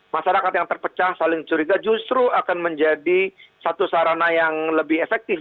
masyarakat yang terpecah saling curiga justru akan menjadi satu sarana yang lebih efektif